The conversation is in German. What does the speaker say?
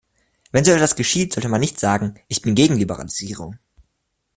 Wenn so etwas geschieht, sollte man nicht sagen "Ich bin gegen Liberalisierung".